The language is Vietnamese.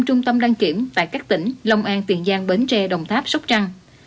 năm trung tâm đăng kiểm tại các tỉnh lòng an tiền giang bến tre đồng tháp sóc trăng